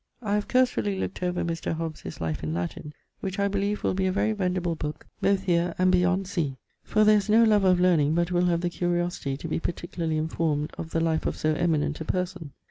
I have cursorily looked over Mr. Hobbs his life in Latine which I beleeve will be a very vendible booke both here and beyond sea, for ther is noe lover of learning but will have the curiosity to be particularly informed of the life of soe eminent a person.